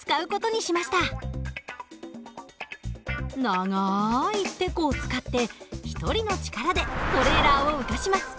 長いてこを使って一人の力でトレーラーを浮かします。